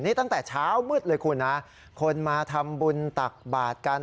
นี่ตั้งแต่เช้ามืดเลยคุณนะคนมาทำบุญตักบาทกัน